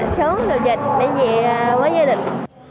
sớm đập dịch để về với gia đình